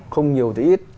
không nhiều thì ít